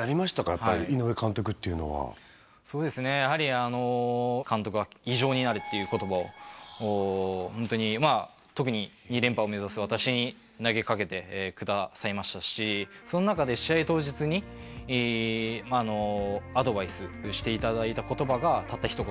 やっぱり井上監督っていうのはそうですねやはりあの監督は「異常になれ」っていう言葉をホントにまあ特に２連覇を目指す私に投げかけてくださいましたしその中で試合当日にアドバイスしていただいた言葉がたった一言